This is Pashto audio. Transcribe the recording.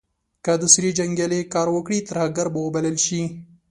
که د سوریې جنګیالې کار وکړي ترهګر به وبلل شي.